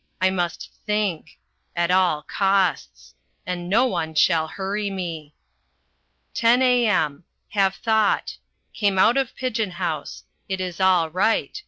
I must think. At all costs. And no one shall hurry me. 10 a.m. Have thought. Came out of pigeon house. It is all right.